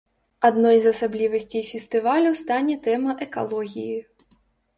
Адной з асаблівасцей фестывалю стане тэма экалогіі.